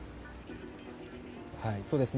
そうですね。